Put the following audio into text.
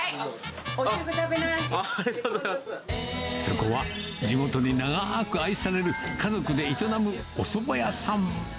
そこは地元で長ーく愛される、家族で営むおそば屋さん。